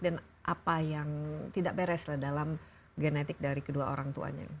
dan apa yang tidak beres dalam genetik dari kedua orang tuanya